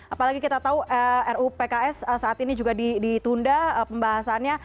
apalagi kita tahu rupks saat ini juga ditunda pembahasannya